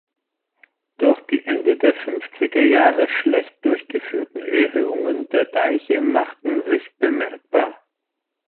Doch die Ende der fünfziger Jahre schlecht durchgeführten Erhöhungen der Deiche machten sich bemerkbar.